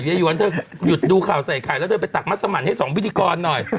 ยายหวนเธอหยุดดูข่าวใส่ไข่แล้วเธอไปตักมัสมันให้สองพิธีกรหน่อย